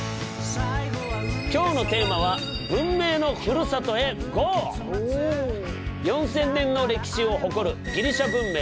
今日のテーマは４，０００年の歴史を誇るギリシャ文明。